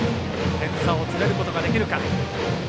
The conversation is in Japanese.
点差を詰めることができるか。